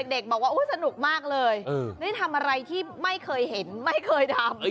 เด็กบอกว่าสนุกมากเลยนี่ทำอะไรที่ไม่เคยเห็นไม่เคยทำ